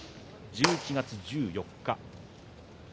１１月１４日。